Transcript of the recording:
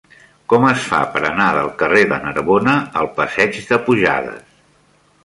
Com es fa per anar del carrer de Narbona al passeig de Pujades?